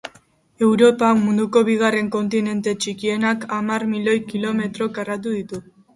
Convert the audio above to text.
Europak, munduko bigarren kontinenterik txikienak, hamar milioi kilometro karratu ditu.